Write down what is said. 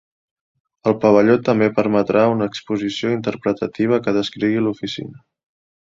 El pavelló també permetrà una exposició interpretativa que descrigui l'oficina.